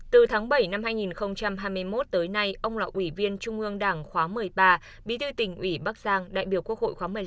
từ tháng bảy năm hai nghìn hai mươi một tới nay ông là ủy viên trung ương đảng khóa một mươi ba bí thư tỉnh ủy bắc giang đại biểu quốc hội khóa một mươi năm